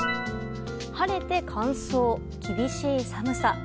晴れて乾燥、厳しい寒さ。